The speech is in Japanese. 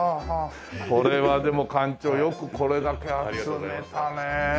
これはでも館長よくこれだけ集めたね！